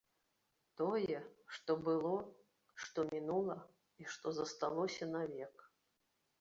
Тое, што было, што мінула і што засталося навек.